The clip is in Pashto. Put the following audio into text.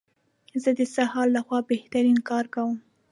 زه د سهار لخوا بهترین کار کوم.